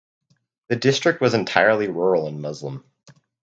The district was entirely rural and Muslim.